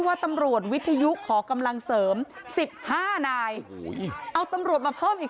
ว่าตำรวจวิทยุขอกำลังเสริมสิบห้านายเอาตำรวจมาเพิ่มอีก